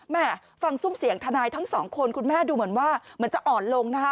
แม่ฟังซุ่มเสียงทนายทั้งสองคนคุณแม่ดูเหมือนว่าเหมือนจะอ่อนลงนะคะ